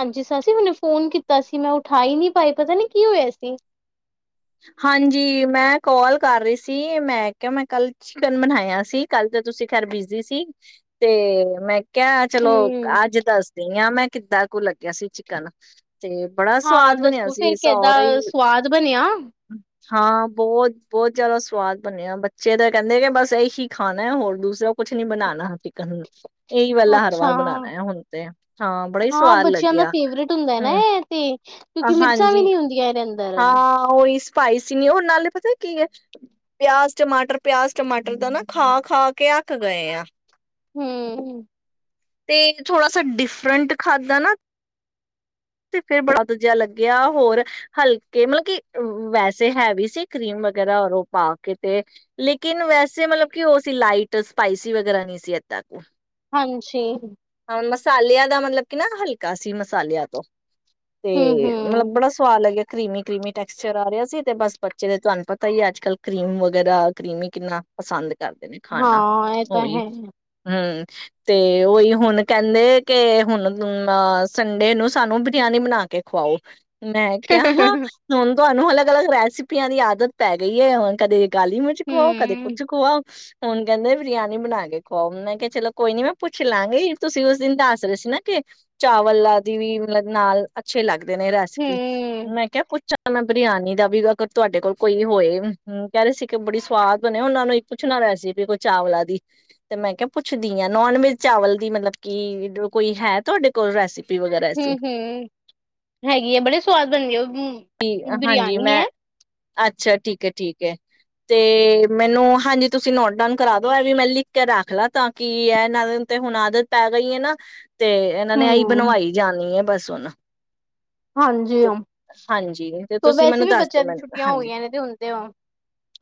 ਹਾਂਜੀ ਸਰਸੀ ਮੈਨੂੰ ਫੋਨ ਕੀਤਾ ਸੀ ਮੈਂ ਉਠਾ ਹੀ ਨਹੀਂ ਪਾਈ ਪਤਾ ਨਹੀਂ ਕੀ ਹੋਇਆ ਸੀ। ਹਾਂਜੀ ਮੈਂ ਕਾਲ ਕਰ ਰਹੀ ਸੀ ਮੈਂ ਕਿਹਾ ਮੈਂ ਕੱਲ ਚਿਕਨ ਬਣਾਇਆ ਸੀ ਕੱਲ ਤਾਂ ਤੁਸੀਂ ਖੈਰ ਬਿਜੀ ਸੀ ਤੇ ਮੈਂ ਕਿਆ ਚਲੋ ਹੂੰ। ਅੱਜ ਦੱਸਦੀ ਹਾਂ ਮੈਂ ਕਿੱਦਾਂ ਕੁ ਲੱ ਗਿਆ ਸੀ ਚਿਕਨ, ਤੇ ਬੜਾ ਹਾਂ ਸਵਾਦ ਬਣਿਆ ਦੱਸੋ ਸੀ। ਫੇਰ ਸਾਰਾ ਈ ਕਿੱਦਾਂ ਸਵਾਦ ਬਣਿਆ? ਹਾਂ ਬਹੁਤ ਬਹੁਤ ਜਿਆਦਾ ਸਵਾਦ ਬਣਿਆ, ਬੱਚੇ ਤਾਂ ਕਹਿੰਦੇ, ਕਿ ਬਸ ਇਹੀ ਖਾਣਾ ਹੈ ਹੋਰ ਦੂਸਰਾ ਕੁਛ ਨੀ ਬਣਾਉਣਾ। ਚਿਕਨ ਇਹੀ ਵਾਲਾ ਹਰ ਅੱਛਾ। ਵਾਰ ਬਣਾਉਣਾ ਹੈ ਹੁਣ ਤੇ ਹਾਂ ਬੜਾ ਹੀ ਹਾਂ ਸਵਾਦ ਬੱਚਿਆਂ ਦਾ ਲੱਗਿਆ ਫੇਵਰੇਟ ਹੁੰਦਾ ਨਾ। ਹਮ ਇਹ ਤੇ ਕਿਉਕਿ ਮਿਰਚਾਂ ਵੀ ਹਾਂਜੀ ਨੀ ਹੁੰਦੀਆਂ ਇਹ ਹਾਂ। ਉਈ ਸਪਾਈਸੀ, ਨ ਉਹਣ ਨਾਲੇ ਪਤਾ ਕੀ ਹੈ ਪਿਆਜ ਟਮਾਟਰ ਪਿਆਜ ਟਮਾਟਰ ਦਾ ਨਾ ਖਾ ਖਾ ਕੇ ਅੱਕ ਗਏ ਆ। ਹੂੰ ਤੇ, ਥੋੜਾ ਸ ਡਿਫਰੈਂਟ ਖਾਧਾ ਨਾ ਤੇ, ਫਿਰ ਬੜਾ ਦੂਜਾ ਲੱਗਿਆ। ਹੋਰ ਹਲਕੇ ਮਤਲਬ ਕੀ, ਵੈਸੇ ਹੈਵ ਸੀ ਕਰੀਮ ਵਗੈਰਾ ਰ ਉਹ ਪਾ ਕੇ ਤੇ ਲੇਕਿਨ ਵੈਸੇ ਮਤਲਬ ਕਿ ਉਹ ਸੀ ਲਾਈਟ ਸਪਾਈਸੀ ਵਗੈਰਾ ਨਹੀਂ ਸੀ। ਏਦਾ ਕ ਹਾਂਜੀ ਮਸਾਲਿਆਂ ਦਾ ਮਤਲਬ, ਕਿ ਨਾ ਹਲਕਾ ਸੀ। ਮਸਾਲਿਆਂ ਤੋਂ ਤੇ, ਹੂੰ-ਹੂੰ ਬੜਾ ਸਵਾਦ ਲੱਗਿਆ। ਕਰੀਮੀ, ਕਰੀਮੀ ਟੈਕਸਚਰ ਆ ਰਿਹਾ ਸੀ ਤੇ ਬਸ ਬੱਚੇ ਦੇ ਤੁਹਾਨੂੰ ਪਤਾ ਹੀ ਅੱਜ ਕੱਲ ਕਰੀਮ ਵਗੈਰਾ ਕਰੀਮੀ ਕਿੰਨਾ ਪਸੰਦ ਕਰਦੇ ਨੇ ਖਾਣਾ ਹਾਂ ਐ ਤਾਂ ਉਹੀ, ਹੈ। ਹੂੰ ਤੇ, ਉਹੀ ੳ ਹੁਣ ਕਹਿੰਦੇ, ਕਿ ਹੁਣ ਤੂੰ ਸੰਡੇ ਨੂੰ ਸਾਨੂੰ ਬਰਿਆਨੀ ਬਣਾ ਕੇ ਖਵਾਓ। ਮੈਂ ਕਿਹਾ ਹਾਂ। ਹੁ ਤੁਹਾਨੂੰ ਅਲੱਗ ਅਲੱਗ ਰੈਸਿਪੀਆਂ ਦੀ ਆਦਤ ਪੈ ਗਈ ਹੈ। ਹੁਣ ਕਦੇ ਕਾਲੀ ਮਿਚ ਖਵਾਉ, ਕਦੇ ਕੁਝ ਹੂੰ-ਹੂੰ, ਖਵਾਓ ਹੁਣ ਕਹਿੰਦੇ ਬਰਿਆਨੀ ਬਣਾ ਕੇ ਖਾਵਾ, ਮੈਂ ਕਿਹਾ ਚਲੋ ਕੋਈ ਨੀ ਮੈਂ ਪੁੱਛ ਲਾਂਗੀ। ਤੁਸੀਂ, ਉਸ ਦਿਨ ਦੱਸ ਰਹੇ ਸੀ ਨਾ। ਕਿ, ਚਾਵਲ ਦੀ ਆਦਿ ਨਾਲ ਬਨਾਉ ਮਤਲਬ ਨਾਲ ਅੱਛੇ ਲੱਗ ਨੇ ਰੈਸਿਪੀ ਮੈਂ ਕਿਹਾ ਪੁੱਛੋ ਤਾਂ ਮੈਂ ਬਰਿਆਨੀ ਦਾ ਵੀ ਅਗਰ ਤੁਹਾਡੇ ਕੋਲ ਕੋਈ ਹੋਏ, ਹੂੰ ਕਹਿ ਰਹੇ ਸੀ ਕਿ ਬੜੀ ਸਵਾਦ ਬਣੇ, ਉਹਨਾਂ ਨੂੰ ਇੱਕ ਪੁੱਛਣਾ ਰਿਹਾ ਸੀ। ਕੋਈ ਚਾਵਲਾਂ ਦੀ ਤੇ ਮੈਂ ਕਿਹਾ ਪੁੱਛਦੀ ਹਾਂ ਨੋਨ ਵੈਜ ਚਾਵਲ ਦੀ ਮਤਲਬ ਕਿ, ਜੋ ਕੋਈ ਹੈ। ਤੁਹਾਡੇ ਕੋਲ ਰੈਸਪੀ ਹੂੰ ਹੂੰ ਹੈਗੀ ਆ, ਬੜੇ ਸਵਾਦ ਬੰਨ੍ਹ ਦੇਨ ਹਾਂਜੀ ਮੈਂ ਅੱਛਾ। ਠੀਕ ਹੈ, ਠੀਕ ਹੈ, ਤੇ ਮੈਨੂੰ ਹਾਂਜੀ ਤੁਸੀਂ ਨੋਟ ਡਾਊਨ ਕਰਾ ਦੋ ਇਹ ਵੀ ਮੈਂ ਲਿਖ ਕੇ ਰੱਖ ਲਾ ਤਾਂ ਕਿ ਇਹ ਇਹਨਾਂ ਦੇ ਤੇ ਹੁਣ ਆਦਤ ਪੈ ਗਈ ਹੈ ਨਾ ਤੇ ਇਹਨਾਂ ਨੇ ਇਹੀ ਹੂੰ ਬਣਵਾਈ ਜਾਣੀ ਹੈ। ਬਸ ਸੁਨਾ ਹਾਂਜੀ ਹਾ ਹਾਂਜੀ, ਤੇ ਤੁਸੀਂ ਮੈਨੂੰ ਦੱਸ ਦੇਨਾ ਮੈਨੂੰ ਹੋ ਹਾਂਜੀ। ਗਈਆਂ ਨੇ ਤੇ ਹੁਣ ਤੇ ਓ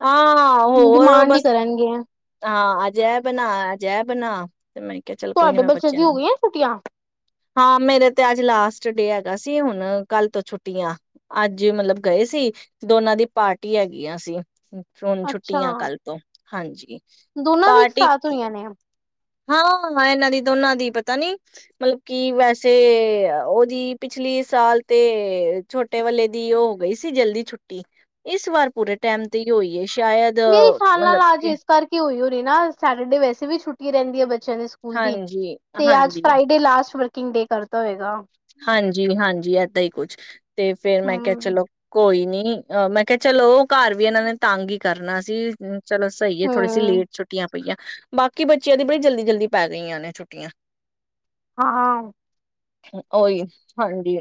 ਆਉ ਹੋਰ ਡਿਮਾਂਡ ਹੀ ਬਸ ਕਰਨਗੇ ਹਾਂ। ਅਜੱ ਏ ਬਣਾ, ਅਜੱ ਏ ਬਣਾ ਤੇ ਮੈਂ ਕਿਹਾ ਚੱਲ ਕੋਈ ਨੀ ਤੁਹਾਡੇ ਮੈਂ ਬੱਚੇ ਬੱਚਿਆਂ ਦੀ ਹੋ ਨੂੰ, ਗਈਆਂ ਛੁੱਟੀਆਂ ਹਾਂ ਮੇਰੇ ਤੇ ਅੱਜ ਲਾਸਟ ਡੇ ਅਸੀ, ਹੁਣ ਕੱਲ ਤੋਂ ਛੁੱਟੀਆਂ ਅੱਜ ਮਤਲਬ ਗਏ ਸੀ। ਦੋਨਾਂ ਦੀ ਪਾਰਟੀ ਹੈਗੀਆਂ ਸੀਆ। ਹੁਨ ਅੱਛਾ ਛੁੱਟੀਆਂ ਕੱਲ ਤੋਂ, ਹਾਂਜੀ! ਦੋਨਾਂ ਦੀ ਇੱਕ ਪਾਰਟੀ ਸਾਥ ਹੋਈਆਂ ਨੇ ਹਾਂ! ਏਨਾਂ ਦੀ ਦੋਨਾਂ ਦੀ ਪਤਾ ਨੀ ਮਤਲਬ ਕਿ ਵੈਸੇ ਔਦੀ ਪਿਛਲੀ ਸਾਲ ਤੇ ਛੋਟੇ ਵਾਲੇ ਦੀ ਔ ਹੋ ਗਈ ਸੀ ਜਲਦੀ ਛੁੱਟੀ ਇਸ ਵਾਰ ਪੂਰੇ ਟੈਮ ਤੇ ਈ ਹੋਈ ਏ। ਮੇਰੇ ਖਿਆਲ ਨਾਲ ਆਜ ਇਸ ਕਰਕੇ ਹੋਈ ਹੋ ਤੇ ਨਾ ਸੈਟਰਡੇ ਵੈਸੇ ਵੀ ਛੁੱਟੀ ਰੇਂਦੀ ਏ ਬੱਚ ਚੇਆਂ ਦੇ ਸਕੂਲ ਦੀ। ਹਾਂਜੀ ਤੇ ਆਜ ਹਾਂਜੀ Friday last working day ਕਰਤਾ ਹੋਏਗਾ ਹਾਂਜੀ-ਹਾਂਜੀ ਏਦਾਂ ਈ ਕੁਛ ਤੇ ਫੇਰ ਮੈਂ ਕਿਹਾ ਹਮ ਚਲੋ ਕੋਈ ਨੀ ਹੰ ਮੈਂ ਕਿਆ ਚਲੋ ਘਰ ਵੀ ਏਨਾਂ ਨੇ ਤੰਗ ਈ ਕਰਨਾ ਸੀ। ਚਲੋ ਸਹੀ ਏ ਥੋੜ੍ਹੀ ਸੀ ਹਮ ਲੇਟ ਛੁੱਟੀਆਂ ਪਈਆਂ ਬਾਕੀ ਬੱਚਿਆਂ ਦੀ ਬੜੀ ਜਲਦੀ-ਜਲਦੀ ਪੈ ਗਈਆਂ ਨੇ ਛੁੱਟੀਆਂ। ਹਾਂ ਓਹੀ ਹਾਂਜੀ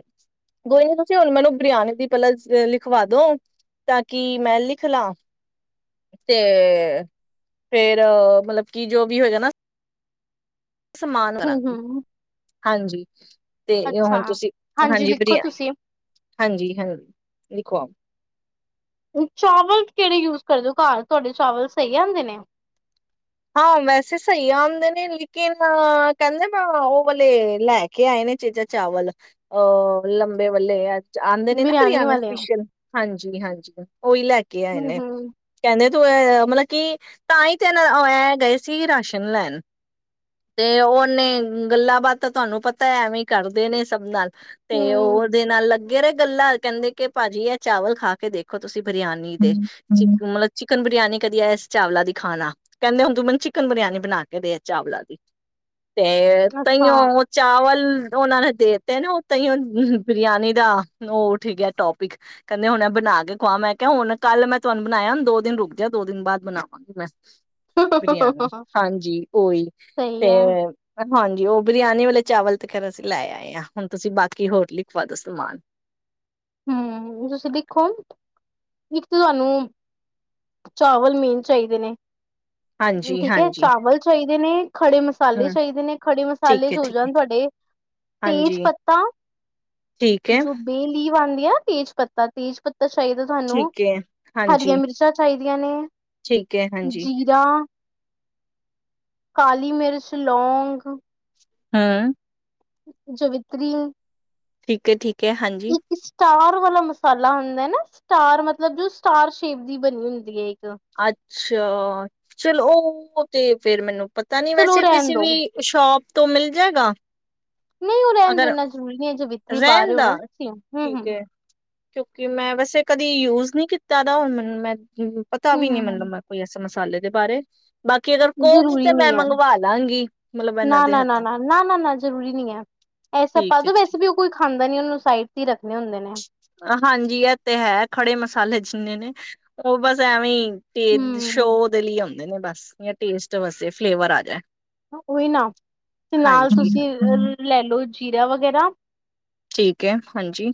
ਕੋਈ ਨੀ ਤੁਸੀਂ ਹੁਨ ਮੈਨੂੰ ਬਰਿਆਨੀ ਦੀ ਪੇਲਾਂ ਲਿਖਵਾ ਦੋ ਤਾਂ ਕਿ ਮੈਂ ਲਿਖ ਲਾ ਤੇ ਫੇਰ ਮਤਲਬ ਕਿ ਜੋ ਵੀ ਹੋਜਾ ਨਾ ਸਨਮਾਨ ਹਮ ਕਰਾਂਗੀ ਹਮ ਹਾਂਜੀ ਤੇ ਹੁਨ ਅੱਛਾ ਤੁਸੀਂ ਹਾਂਜੀ ਲਿਖੋ ਬਰਿਆਨੀ ਤੁਸੀਂ ਹਾਂਜੀ-ਹਾਂਜੀ ਲਿਖਵਾਔ। ਚਾਵਲ ਕਿਹੜੇ ਯੁਜ ਕਰਦੇ ਹੋ ਘਰ। ਤੁਹਾਡੇ ਚਾਵਲ ਸਹੀ ਅਨਦੇਂ ਨੇ ਹਾਂ ਵੈਸੇ ਸਹੀ ਅਉਂਦੇ ਨੇ ਲੇਕਿਨ ਕਹਿੰਦੇ ਨੇ ਉਹ ਵਾਲੇ ਲੈ ਕੇ ਆਏ ਨੇ ਚੇਜਾ ਚਾਵਲ ਅਹ ਲੰਬੇ ਵੱਲੇ ਐ। ਆਨਦੇ ਨੇ ਨਾ ਬਿਰਿਆਨੀ ਬਿਰਯਾਨੀ ਵਾਲੇ ਸਪੈਸ਼ਲ ਹਾਂਜੀ ਜੀ ਹਾਂ ਜੀ! ਓਇ ਲੇਕੇ ਆਯੇ ਨੇ ਹਮ ਕਹਿੰਦੇ। ਮਤਲਬ ਕਿ ਤਾਂ ਹੀ ਤੇ ਇਹਨਾਂ ਐਂ ਗਏ ਸੀ ਰਾਸ਼ਨ ਲੈਣ ਤੇ ਉਹਨੇ ਗੱਲਾਂ-ਬਾਤਾਂ, ਤੁਹਾਨੂੰ ਪਤਾ ਐਵੇਂ ਕਰਦੇ ਨੇ ਸਭ ਨਾਲ। ਤੇ ਉਹ ਹਮ ਉਹਦੇ ਨਾਲ ਲੱਗ। ਘੇਰੇ ਗੱਲਾਂ ਕਹਿੰਦੇ ਕਿ ਭਾਜੀ ਇਹ ਚਾਵਲ ਖਾ ਕੇ ਦੇਖੋ ਤੁਸੀਂ। ਬਿਰਿਆਨੀ ਦੇ ਹਮ ਚਿਕਮ ਚੀ ਮਤਲਬ ਚਿਕਨ ਬਿਰਿਆਨੀ ਕਦੀ ਇਸ ਚਾਵਲਾ ਦੀ ਖਾਣਾ। ਕਹਿੰਦੇ ਹੁਣ ਤੂੰ ਮੈਨੂੰ ਚਿਕਨ ਬਿਰਿਆਨੀ ਬਣਾ ਕੇ ਦੇ ਚਾਵਲਾਂ ਦੀ। ਤੇ ਅੱਛਾ ਤਹੀਓਹੋ ਚਾਵਲ ਉਹਨਾਂ ਨੇ ਦੇਤੇ ਨੇ ਉਹ ਤ ਹੀ ਬਿਰਿਆਨੀ ਦਾ ਉਹ ਠੀਕ ਹੈ ਟੋਪਿਕ ਕਹਿੰਦੇ, ਹੁਣ ਬਣਾ ਕੇ ਖੁਆ। ਮੈਂ ਕਿਹਾ ਹੁਣ ਕੱਲ ਮੈਂ ਤੁਹਾਨੂੰ ਬਣਾਯਾ ਦੋ ਦਿਨ ਰੁਕ ਜਾ ਦੋ ਦਿਨ ਬਾਅਦ ਬਣਾਵਾਂਗੀ ਮੈਂ। ਬਰਿਆਨੀ ਹਾਂਜੀ ਉਓਹੀ ਸਹੀ ਤੇ ਹੈ ਹਾਂਜੀ ਉਹ ਬਰਿਆਨੀ ਵਾਲੇ ਚਾਵਲ ਤੇ ਖੈਰ ਅਸੀਂ ਲੈ ਆਏ ਹਾਂ। ਹੁਣ ਤੁਸੀਂ ਬਾਕੀ ਹੋਰ ਲਿਖਵਾ ਦੋ ਸਮਾਨ ਹਮ ਤੁਸੀਂ ਦੇਖੋ। ਇੱਕ ਤਾਂ ਤੁਹਾਨੂੰ ਚਾਵਲ ਮੇਨ ਚਾਹੀਦੇ ਨੇ ਹਾਂਜੀ ਠੀਕ ਹੈ ਹਾਂਜੀ ਚਾਵਲ ਚਾਹੀਦੇ ਨੇ ਖੜੇ ਮਸਾਲੇ ਹਮ ਚਾਹੀਦੇ ਨੇ ਖੜੇ ਮਸਾਲੇ ਠੀਕ ਚ ਹੈ ਹੋ ਠੀਕ ਹੈ ਜਾਣ ਤੁਹਾਡੇ ਤੇਜ ਹਾਂਜੀ ਪੱਤਾ ਠੀਕ ਹੈ ਜੋ ਬੇਅ ਕਿ ਬਣਦੀ ਆ ਤੇਜ ਪੱਤਾ ਤੇਜ ਪੱਤਾ ਚਾਹੀਦਾ ਤੁਹਾਨੂੰ ਠੀਕ ਹੈ ਹਰੀਆਂ ਹਾਂਜੀ ਮਿਰਚਾਂ ਚਾਹੀਦੀਆਂ। ਆਂ ਨੇ ਠੀਕ ਹੈ ਹਾਂਜੀ ਜੀਰਾ, ਕਾਲੀ ਮਿਰਚ, ਲੌਂਗ ਹਾ ਜਵਿਤਰੀ ਠੀਕ ਠੀਕ ਹੈ ਹਾਂਜੀ ਇੱਕ ਸਟਾ ਵਾਲਾ ਮਸਾਲਾ ਹੁੰਦਾ ਨਾ ਸਟਾਰ ਮਤਲਬ ਜੋ ਸਟਾਰ ਸ਼ੇਪ ਦੀ ਬਣੀ ਹੁੰਦੀ ਹੈ। ਅੱਛਾ ਚਲੋ ਉਹ ਤੇ ਫੇਰ ਮੈਨੂੰ ਪਤਾ ਨੀ ਚਲੋ ਵੈਸੇ ਰਹਿਣ ਕਿਸੇ ਦੋ, ਵੀ ਸ਼ੋਪ ਤੋ ਮਿਲ ਜਾਏਗਾ ਨਹੀਂ ਉਹ ਰਹਿਣ ਤੋਂ ਅਗਰ ਇੰਨਾ ਜ਼ਰੂਰੀ ਨਹੀਂ ਹੈ ਜਵਿਤਰੀ ਪਾ ਰਹਿਣ ਰਹੇ ਹੋ ਨਾ ਦਾ ਤੁਸੀ ਹੂੰ ਠੀਕ ਹੈ ਹੂੰ ਕਿਉਂਕਿ ਮੈਂ ਵੈਸੇ ਕਦੀ ਯੂਜ ਨਹੀ ਕੀਤਾ ਦਾ ਹੁਣ ਮੈਂ ਪਤਾ ਵੀ ਨੀ ਮਤਲਬ ਹੂੰ-ਹੂੰ ਮੈਂਨੂੰ ਕੋਈ ਐਸੇ ਸਮਾਲੇ ਦੇ ਬਾਰੇ ਬਾਕੀ ਅਗਰ ਕਹੋਗੇ ਜ਼ਰੂਰੀ ਤੇ ਮੈਂ ਨਹੀ ਹੈ ਮੰਗਵਾ ਲਾਂਗੀ ਮਤਲਬ ਇਹਨਾਂ ਨਾ ਦੇ ਨਾ ਨਾ ਹੱਥੋਂ ਨਾ ਨਾ ਨਾ ਨਾ ਜ਼ਰੂਰੀ ਨੀ ਹੈ ਐਸਾ ਠੀਕ ਹੈ ਪਾਦੋ ਵੈਸੇ ਠੀਕ ਵੀ ਉਹ ਕੋਈ ਖਾਂਦਾ ਨੀ ਉਹਨੂੰ ਸਾਈਟ ਤੇ ਰੱਖ ਹਾਂਜੀ ਇਹ ਤੇ ਹੈ ਖੜੇ ਮਸਾਲੇ ਨੇ ਉਹ ਬਸ ਐਵੇਂ ਤੇਦ ਹੂੰ ਸ਼ੋਧ ਲਈ ਹੁੰਦੇ ਬਸ ਟੇਸਟ ਵਾਸਤੇ ਫਲੇਵਰ ਆਜੇ ਉਹੀ ਨਾ ਤੇ ਨਾਲ ਹਾਂ ਤੁਸੀਂ ਅ ਲੈ ਲਓ ਜੀਰਾ ਵਗੈਰਾ ਠੀਕ ਹੈ ਹਾਂਜੀ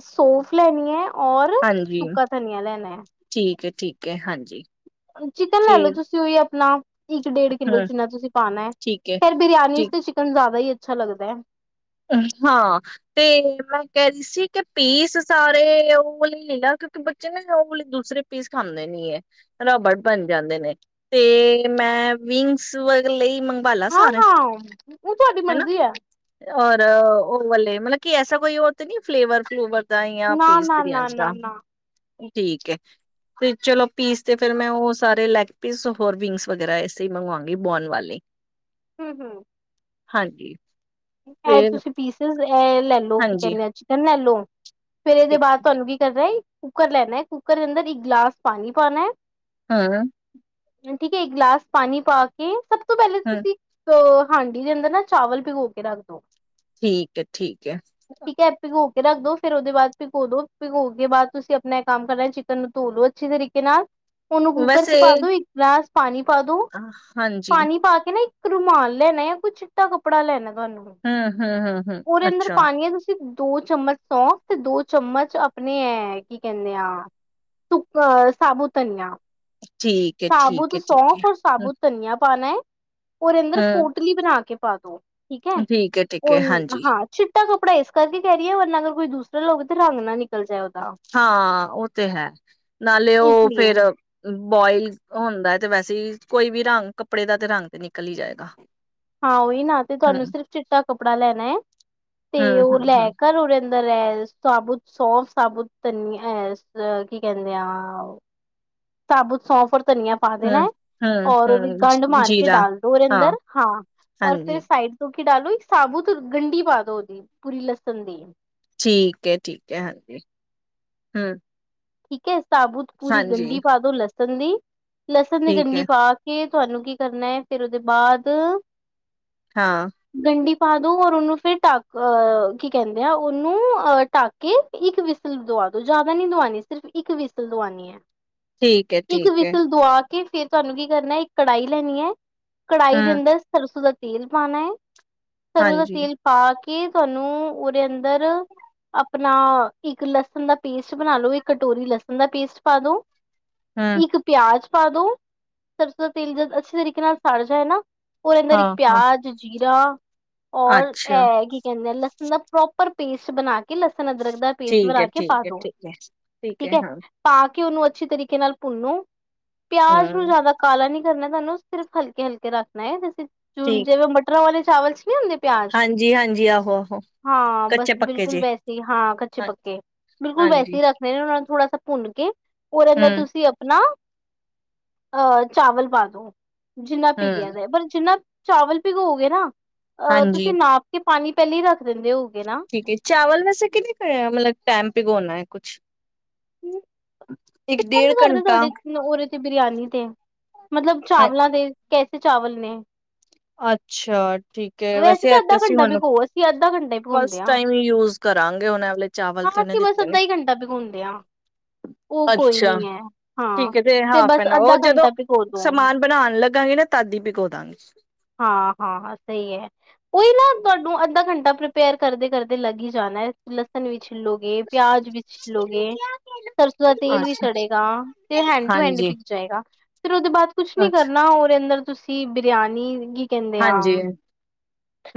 ਸੌਫ ਲੈਣੀ ਹੈ ਔਰ ਹਾਂਜੀ ਸੁੱਕਾ ਧਨੀਆ ਲੈਣਾ ਹੈ। ਠੀਕ ਹੈ ਠੀਕ ਏ ਹਾਂਜੀ ਚਿਕਨ ਲੈ ਲਓ ਫੇਰ ਤੁਸੀਂ ਉਹੀ ਆਪਣਾ ਇੱਕ ਡੇਢ ਕਿੱਲੋ ਹਮ ਜਿੰਨਾ ਤੁਸੀਂ ਪਾਣਾ ਹੈ ਫੇਰ ਬਰਿਆਨੀ ਠੀਕ ਚ ਤਾਂ ਚਿਕਨ ਜ਼ਿਆਦਾ ਹੀ। ਅੱਛਾ ਲੱਗਦਾ ਹਾਂ ਤੇ ਮੈਂ ਕਹਿ ਰਹੀ ਸੀ ਕਿ ਪੀਸ ਸਾਰੇ ਉਹ ਵਾਲੇ ਲੈਲਾ ਕਿਉਂਕਿ ਬੱਚੇ ਨੇ ਉਹ ਵਾਲ ਦੂਸਰੇ ਪੀਸ ਖਾਂਦੇ ਨੀ ਹੈ ਰਬੜ ਬਣ ਜਾਂਦੇ ਨੇ ਤੇ ਮੈਂ ਵਿੰਗਸ ਵਾ ਲਈ ਬਾਲਾ ਸਾਰਾ ਹਾਂ-ਹਾਂ ਉਹ ਤੁਹਾਡੀ ਹਨਾ, ਮਰਜ਼ੀ ਐ ਔਰ ਉਹ ਵਾਲੇ ਮਤਲਬ ਕੀ, ਐਸਾ ਕੋਈ ਹੋਰ ਤੇ ਨਹੀਂ ਹ ਫਲੇਵਰ ਫਲੂਵਰ ਦਾ ਜਾਂ ਪੀਸ ਬਿਰਿਆਨੀ ਦਾ ਨਾ-ਨਾ-ਨਾ-ਨਾ-ਨਾ ਠੀਕ ਹੈ, ਤੇ ਚਲੋ ਪੀਸ ਤੇ ਫਿਰ ਮੈਂ, ਉਹ ਸਾਰੇ ਲੈਗ ਪੀਸ ਹੋਰ ਵਿੰਗਸ ਵਗੈਰਾ ਇਸੇ ਮੰਗਵਾਾਂਗੀ ਬੋਨ ਵਾਲੇ। ਹਮ ਹਮ ਹਾਂਜੀ। ਹੈ ਫਿਰ ਤੁਸੀਂ, ਪੀਸਿਸ ਲੈ ਲਓ ਕਿ, ਹਾਂਜੀ ਕਿਹਦੇਂ ਚਿਕਨ ਲੈ ਲਓ? ਫਿਰ ਇਹਦੇ ਠੀਕ ਬਾਅਦ, ਤੁਹਾਨੂੰ ਕੀ ਕਰਨਾ ਈ। ਕੁੱਕਰ ਲੈਣਾ, ਕੁੱਕਰ ਦੇ ਅੰਦਰ ਇੱਕ ਗਲਾਸ ਪਾਨੀ ਪਾਨੈ। ਹਾਂ। ਠੀਕ ਹੈ, ਇੱਕ ਗਲਾਸ ਪਾਣੀ ਪਾ ਕੇ, ਸਭ ਸ ਤੋਂ ਪਹਿਲਾਂ ਹਮ ਤੁਸੀਂ, ਅਹ ਹਾਂਡੀ ਦੇ ਅੰਦਰ ਨਾ, ਚਾਵਲ ਭਿਗੌ ਕੇ ਲਗੋ। ਠੀਕ ਹੈ, ਠੀਕ ਹੈ। ਹੈ ਭਿਗੋ ਰੱਖ ਦੋ, ਫਿਰ ਉਹਦੇ ਬਾਅਦ ਭਿਗੋ ਦੋ, ਭਿਗੋ ਕੇ ਬਾਅਦ ਤੁਸੀਂ, ਆਪਣਾ ਕੰਮ ਕਰਨਾ, ਚਿਕਨ ਨੂੰ ਧੋ ਲੋ ਅੱਛੇ ਤਰੀਕੇ ਨਾਲ। ਉਹਨੂੰ ਕੂੱਕਰ ਚ ਪਾ ਵੈਸੇ ਦੋ, ਇੱਕ ਗਲਾਸ। ਪਾਣੀ। ਕਦੂ, ਅਹ, ਹਾਂਜੀ, ਪਾਣੀ ਪਾ ਕੇ ਨਾ ਰੁਮਾਲ ਲੈਣਾ ਆ, ਕੋਈ ਚਿੱਟਾ ਕੱਪੜਾ ਲੈਣਾ। ਤੁਹਾਨੂੰ ਹਮ, ਹਮ ਹਮ। ਉਹਦੇ ਅੰਦਰ ਪਾਣੀ ਹੈ, ਤੁਸੀਂ ਦੋ ਚਮਚ ਸੌਂਫ, ਤੇ ਦੋ ਚਮਚ ਆਪਣੇ ਹੈ ਕੀ ਕਹਿੰਦੇ ਆ ਸੁੱਕ ਸਾਬੂ ਧਨੀਆ। ਠੀਕ ਏ, ਠੀਕ ਸਾਬੁਤ ਏ, ਠੀਕ ਏ। ਸੌਂਫ ਔਰ ਹੂੰ, ਸਾਬੁਤ ਧਨੀਆ। ਪਾਣੇ। ਉਹਦੇ ਅੰਦਰ ਪੋਟਲੀ ਬਣਾ ਕੇ। ਪਾ ਦੋ। ਠੀਕ ਹੈ ਠੀਕ ਏ, ਠੀਕ ਹੈ ਹਾਂਜੀ। ਉਹ ਹਾਂ, ਚਿੱਟਾ ਕੱਪੜਾ ਇਸ ਕਰਕੇ ਕਹਿ ਰਹੀ ਆਂ, ਵਰਨਾ ਅਗਰ ਕੋਈ ਦੂਸ ਲੋਕ ਤੇ ਰੰਗ ਨਾ ਨ ਹਾਂ, ਉਹ ਤੇ ਹੈ ਨਾਲੇ ਇਸ ਉਹ ਲਈ ਫੇਰ ਬੋਇਲ ਹੁੰਦਾ ਤੇ ਵੈਸੇ ਏ, ਕੋਈ ਵੀ ਰੰਗ ਕੱਪੜੇ ਦਾ, ਤੇ ਰੰਗ ਤੇ ਨਿਕਲ ਹੀ ਜਾਏਗਾ। ਹਾਂ ਉਹੀ ਨਾ, ਤੇ ਹੂੰ, ਤੁਹਾਨੂੰ ਸਿਰਫ਼ ਚਿੱਟਾ ਕੱਪੜਾ ਲੈਣਾ ਹੈ, ਤੇ ਉਹ ਲੈ ਹੂੰ-ਹੂੰ-ਹੂੰ, ਘਰ ਉਰੇ ਅ ਸਾਬੁਤ ਸੋਫ ਸਾਬੁਤ ਧਨੀ ਕੀ ਕਹਿੰਦੇ ਆ ਸਾਬੁਤ ਸੌਫ ਔਰ ਧਨੀਆ ਪਾ ਦੇਣਾ, ਹੂੰ, ਔਰ ਉਹਦੀ ਗੰਢ ਹੂੰ-ਹੂੰ ਮਾਰ ਕੇ ਜੀਰਾ ਡਾਲ ਦੋ ਉਹਦੇ ਅੰਦਰ ਹਾਂ ਔਰ ਫਿਰ ਹਾਂਜੀ ਸਾਈਡ ਤੋਂ ਕਿੰਡਾ ਲੋ, ਇੱਕ ਸਾਬੂਤ ਗੰਡੀ ਪਾ ਦੋ ਉਹਦੀ ਪੂਰੀ ਲਸਣ ਦੀ ਠੀਕ ਹੈ, ਠੀਕ ਹੈ, ਹਾਂਜੀ ਹਾਂ ਠੀਕ ਐ ਸਾਬੂਤ ਪੂਰੀ ਗੰਡੀ ਪਾ ਦੋ ਲਸਨ ਸੰਦੀ ਲਸਣ ਦੀ ਠੀਕ ਗੰਡੀ ਏ, ਪਾ ਕੇ ਤੁਹਾਨੂੰ ਕੀ ਕਰਨਾ ਹੈ, ਫਿਰ ਉਹਦੇ ਬਾਅਦ ਹਾਂ ਗੰਢੀ ਪਾ ਦੋ ਔਰ ਉਹਨੂੰ ਫਿਰ ਡੱਕ, ਕੀ ਕਹਿੰਦੇ ਆ ਉਹਨੂੰ ਅਹ ਡੱਕ ਕੇ ਇੱਕ ਵਿਸਲ ਦਵਾ ਦੋ ਜ਼ਿਆਦਾ ਨੀ ਦਵਾਉਣੀ ਸਿਰਫ ਇੱਕ ਵਿਸਲ ਦਵਾਨੀ ਹੈ ਠੀਕ ਏ, ਇੱਕ ਠੀਕ ਏ, ਵਿਸਲ ਦੁਆ ਕਿ ਫਿਰ ਤੁਹਾਨੂੰ ਕੀ ਕਰਨਾ ਇੱਕ ਕੜਾਹੀ ਲੈਣੀ ਹੈ ਕੜਾਹੀ ਦੇ ਹੂੰ, ਅੰਦਰ ਸਰਸੋਂ ਦਾ ਤੇਲ ਪਾਣਾ ਹੈ ਸਰੂ ਦਾ ਹਾਂਜੀ, ਤੇਲ ਪਾਕੇ ਕੀ ਤੁਹਾਨੂੰ ਉਹਦੇ ਅੰਦਰ ਆਪਣਾ ਇੱਕ ਲਸਣ ਦਾ ਪੇਸਟ ਬਣਾ ਲੋ, ਇੱਕ ਕਟੋਰੀ ਲਸਣ ਦਾ ਪੇਸਟ ਪਾ ਦੋ ਹੂੰ, ਇੱਕ ਪਿਆਜ ਪਾ ਦੋ ਸਰਸੋਂ ਦਾ ਤੇਲ ਜ ਅੱਛੇ ਤਰੀਕੇ ਨਾਲ ਸਾੜ ਜਾਏ ਨਾ ਉਹ ਇਹਦਾ ਇੱਕ ਹਾਂ-ਹਾਂ, ਪਿਆਜ ਜੀਰਾ ਔਰ ਅੱਛਾ। ਇਹ ਕੀ ਕਹਿੰਦੇ ਆ ਲ ਪ੍ਰੋਪਰ ਪੇਸਟ ਬਣਾ ਕੇ ਲ ਲਸਨ ਅਦਰਕ ਦਾ ਪੇਸਟ ਠੀਕ ਹੈ, ਬਣਾ ਕੇ ਪਾ ਠੀਕ ਹੈ, ਦੋ ਠੀਕ ਹੈ। ਠੀਕ ਹੈ ਹਾਂ, ਪਾ ਕੇ ਉਹਨੂੰ ਅੱਛੇ ਤਰੀਕੇ ਨਾਲ ਭੁਨੋ ਪਿਆਜ ਨੂੰ ਹੂੰ ਜਿਆਦਾ ਕਾਲਾ ਨੀ ਕੀ ਕਰਨਾ ਹੈ ਤੁਹਾਨੂੰ, ਸਿਰਫ਼ ਹਲਕੇ ਹਲਕੇ ਰੱਖਣਾ ਹੈ ਸੀਂਮ ਤੇ ਹੁਣ ਠੀਕ ਜਿਵੇਂ ਮਟਰਾਂ ਵਾਲੇ ਚਾਵਲ ਚ ਨੀ ਹੁੰਦੇ ਪਿਆਜ, ਹਾਂਜੀ, ਹਾਂਜੀ ਆਹੋ, ਆਹੋ ਹਾਂ ਬਸ ਕੱਚੇ ਪੱਕੇ ਬਿਲਕੁਲ ਜੇ ਵੈਸੀੇ ਹਾਂ ਕੱਚੇ ਪੱਕੇ ਬਿਲਕੁਲ ਹਾਂਜੀ, ਵੈਸੀੇ ਰੱਖ ਫਿਰ ਉਹਨਾ ਨੂੰ ਥੋੜਾ ਸ ਭੁੰਨ ਕੇ ਉਹ ਹੈਨਾ ਹੂੰ, ਤੁਸੀਂ ਆਪਣਾ ਅਹ ਚਾਵਲ ਪਾ ਦੋ ਜਿੰਨਾ ਭ ਹੂੰ ਕਦੇ ਪਰ ਜਿੰਨਾ ਚਾਵਲ ਭਿਗੋਗੇ ਨਾ ਅਹ ਹਾਂਜੀ ਤੁਸੀਂ ਨਾਪ ਕੇ ਪਾਣੀ ਪਹਿਲੇ ਹੀ ਰੱਖ ਦਿੰਦੇ ਹੋ ਠੀ ਚਾਵਲ ਵੈਸੇ ਕਿਨੇ ਕ ਮਤਲਬ ਟਾਈਮ ਪੀਗਉਣਾ ਕੁਛ ਕੀ [inaudible] ਮਤ ਕਰਦਾ ਘੰਟਾ ਤੁਹਾਡੇ ਉਰੇ ਤੇ ਬਿਰਆਨੀ ਤੇ ਮਤਲਬ ਹਾਂ ਚਾਵਲਾਂ ਦੇ ਕੈਸੇ ਚਾਵਲ ਨੇ ਅੱਛਾ ਠੀਕ ਵੈਸੇ ਤਾਂ ਇ ਅੱਧਾ ਅਸੀਂ ਘੰਟਾ ਹ ਭਿਗੋ ਅਸੀਂ ਅੱਧਾ ਘੰਟਾ ਹੀ ਭਿਗਾਉਂਦੇ ਫਸਟ ਹਾਂ ਟਮ ਯੂਜ ਕਰਾਂਗੇ ਵਾਲੇ ਚਾਵਲ ਹਾਂ ਤੇ ਨੇ ਅਸੀਂ ਬਸ ਦਿੱਤੇ ਨੇ ਅੱਧਾ ਹੀ ਘੰਟਾ ਭਿਗਾਉਂਦੇ ਹਾਂ ਉਹ ਕੋਈ ਅੱਛਾ ਨਹੀਂ ਹੈ ਹਾਂ ਠੀਕ ਤੇ ਹਾਫ ਬਸ ਉਹ ਅੱਧਾ ਜਦੋ ਘੰਟਾ ਭਿਗੋ ਦੋ ਸਮਾਨ ਬਣਾਾਨ ਲੱਗਾਾਂਗੇ ਨਾ ਤਦੀ ਭਿਗੋ ਦਾਂਗੀ ਹਾਂ ਹਾਂ ਹਾਂ ਸਹੀ ਹੈ ਕੋਈ ਨਾ ਤੁਹਾਨੂੰ ਅੱਧਾ ਘੰਟਾ ਪ੍ਰਪੇਅਰ ਕਰਦੇ ਕਰਦੇ ਲੱਗ ਹੀ ਜਾਣਾ ਲਸਣ ਵੀ ਛਿੱਲੋਗੇ ਪਿਆਜ ਵੀ ਛਿੱਲੋਗੇ ਸਰਸੋਂ ਦਾ ਤੇਲ ਵੀ ਅੱਛਾ ਸੜੇਗਾ ਤੇ ਹੈਂਡ ਟੂ ਹੈਂਡ ਹਾਂਜੀ ਵਿਕ ਜਾਏਗਾ ਫਿਰ ਉਹਦੇ ਬਾਅਦ ਕੁਛ ਨੀ ਅੱਛਾ, ਕਰਨਾ ਰ ਅੰਦਰ ਤੁਸੀਂ ਬਰਿਆਨੀ ਕੀ ਕਹਿੰਦੇ ਆ ਹਾਂਜੀ,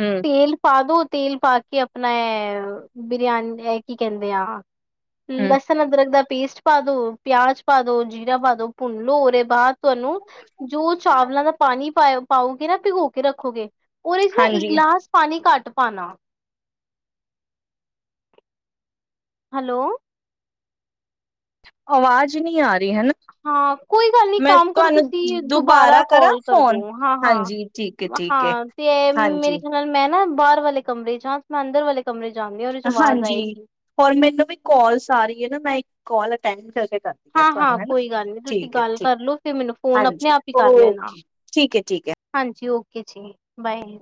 ਹੂੰ, ਤੇਲ ਪਾ ਦੋ ਤੇਲ ਪਾ ਕੇ ਆਪਣਾ ਬਿਰਿਆਨੀ ਇਹ ਕੀ ਕਹਿੰਦੇ ਆ ਹਮ ਹੂੰ, ਬੱਸਨਾ ਦੁਰਗ ਦ ਪੇਸਟ ਪਾ ਦੋ ਪਿਆਜ ਪਾ ਦੋ ਜੀਰਾ ਪਾ ਦੋ ਭੁੰਨੋ ਉਹਦੇ ਬਾਅਦ ਤੁਹਾਨੂੰ ਜੋ ਚਾਵਲਾਂ ਦਾ ਪਾਣੀ ਪਾਇਆ ਪਾਓ ਨਾ ਭਿਗੋ ਕੇ ਰੱਖੋਗੇ ਰ ਇਸਮੇ ਇੱਕ ਹਾਂਜੀ। ਗਲਾਸ ਪਾਣੀ ਘੱਟ ਪਾਉਣਾ ਹੈਲੋ ਆਵਾਜ਼ ਨਹੀਂ ਆ ਰਹੀ ਹਨਾ ਹਾਂ ਕੋਈ ਗੱਲ ਨੀ ਮੈਂ ਕੰਮ ਕਰੋ ਤੁਹਾਨੂੰ ਤੁਸੀਂ ਦੁਬਾਰਾ ਕਰਾਂ ਕਾਲ ਕਰਦੋ ਫੋਨ? ਹਾਂ ਹਾਂ ਹਾਂਜੀ, ਠੀਕ ਏ, ਠੀਕ ਏ, ਹਾਂ ਤੇ ਮੇਰੇ ਹਾਂਜੀ, ਖਿਆਲ ਨਾਲ ਮੈਂ ਨਾ ਬਾਹਰ ਵਾਲੇ ਕਮਰੇ ਜਾਂ ਸਮ ਅੰਦਰ ਵਾਲੇ ਕਮਰੇ ਜਾਂਦੀ ਆ ਉਹਦੇ ਚ ਆਵਾਜ਼ ਹਾਂਜੀ ਆਏਗੀ। ਹੋਰ ਮੈਨੂੰ ਵੀ ਕੋਲਸ ਆ ਰਹੀ ਹੈ ਨਾ ਮੈਂ ਕਲ ਟਾਈਮ ਹਾਂ ਹਾਂ ਕੋਈ ਗੱਲ ਨੀ ਤੁਸੀਂ ਗੱਲ ਠੀਕ, ਕਰਲਓ ਫਿਰ ਮੈਨੂੰ ਫੋਨ ਆਪਣੇ ਹਾਂਜੀ, ਆਪ ਹੀ ਕਰ ਲੈਣਾ ਓਕੇ, ਠੀਕ ਏ, ਠੀਕ ਏ। ਹਾਂਜੀ ਓਕੇ ਕਿ ਜੀ ਬਏ